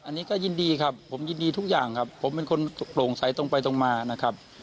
อันนี้ก็ยินดีครับผมยินดีทุกอย่างครับผมเป็นคนโปร่งใสตรงไปตรงมานะครับ